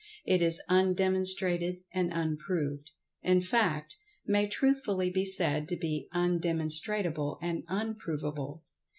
It is undemonstrated and unproved—in fact, may truthfully be said to be undemonstrable and unprovable.